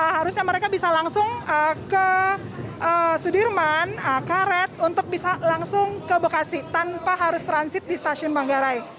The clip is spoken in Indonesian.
harusnya mereka bisa langsung ke sudirman karet untuk bisa langsung ke bekasi tanpa harus transit di stasiun manggarai